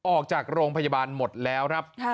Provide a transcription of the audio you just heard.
ออกจากโรงพยาบาลหมดแล้วครับ